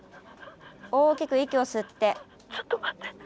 大きく息を吸って。